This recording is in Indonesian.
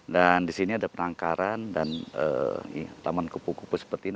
dan di sini ada penangkaran dan taman kupu kupu seperti ini